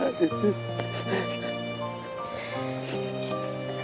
ผมคิดว่าสงสารแกครับ